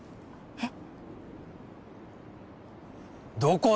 えっ。